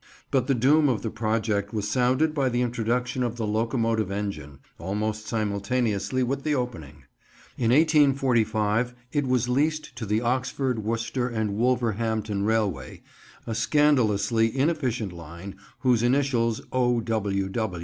But the doom of the project was sounded by the introduction of the locomotive engine, almost simultaneously with the opening. In 1845 it was leased to the Oxford, Worcester and Wolverhampton Railway, a scandalously inefficient line whose initials, "O.